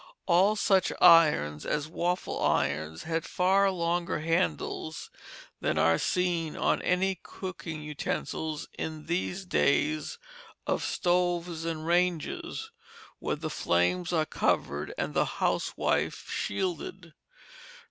All such irons as waffle irons had far longer handles than are seen on any cooking utensils in these days of stoves and ranges, where the flames are covered and the housewife shielded.